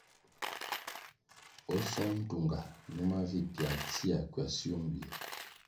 O Song Ntunga, numa vi pyalʼ tsia kwasio nywie.